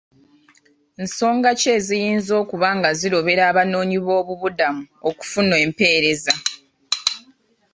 Nsonga ki eziyinza okuba nga zirobera abanoonyi b'obubudamu okufuna empeereza.